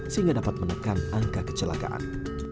sehingga dapat menekan angka kecelakaan